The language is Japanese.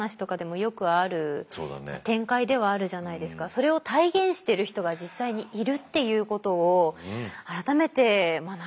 それを体現してる人が実際にいるっていうことを改めて学びましたね。